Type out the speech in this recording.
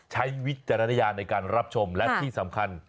วิจารณญาณในการรับชมและที่สำคัญ